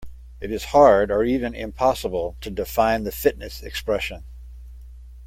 It is hard or even impossible to define the fitness expression.